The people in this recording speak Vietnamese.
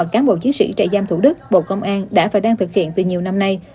cán bộ chiến sĩ trại giam thủ đức bộ công an đã và đang thực hiện từ nhiều năm nay